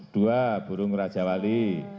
dua burung rajawali